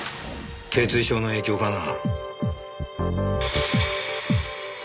頚椎症の影響かな？